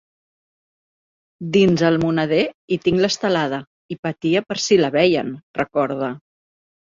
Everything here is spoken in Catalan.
Dins el moneder hi tinc l’estelada i patia per si la veien, recorda.